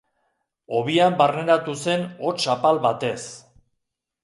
Hobian barneratu zen hots apal batez.